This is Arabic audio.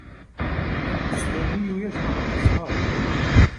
الْبُسْتانِيُّ يَجْمَعُ الْأَزْهارَ.